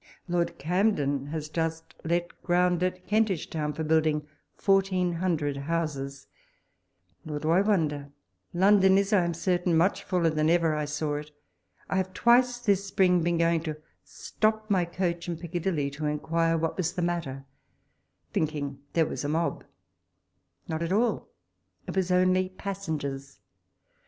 Lord Camden has just let ground at Kentish Town for building fourteen hundred houses — nor do I wonder ; London is, I am certain, much fuller than ever I saw it. I have twice this spring been going to stop my coach in Piccadilly, to inquire what was the matter, thinking there was a mob— not at all ; it was only passengers.